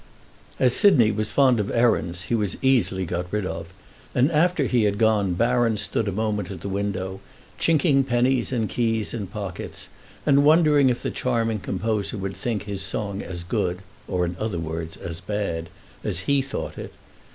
As Sidney was fond of errands he was easily got rid of, and after he had gone Baron stood a moment at the window chinking pennies and keys in pockets and wondering if the charming composer would think his song as good, or in other words as bad, as he thought it.